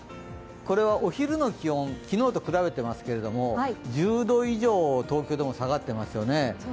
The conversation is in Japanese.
これはお昼の気温、昨日と比べてますけど１０度以上東京でも下がっていますよね。